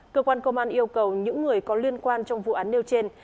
cơ quan công an yêu cầu những người có liên quan trong vụ án nêu trên